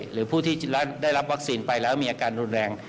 หรือผู้ที่ได้รับวัคซีนไปแล้วมีอาการรุนแรง